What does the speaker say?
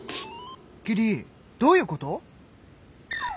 キリどういうこと！？